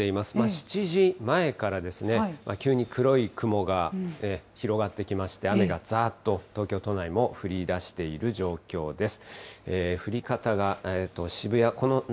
７時前から、急に黒い雲が広がってきまして、雨がざーっと東京都内も降りだしている状況です。